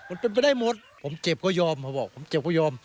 มันเป็นไปได้หมดผมเจ็บก็ยอมเขาบอกผมเจ็บก็ยอม